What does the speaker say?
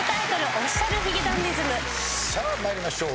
さあ参りましょう。